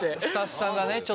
スタッフさんがね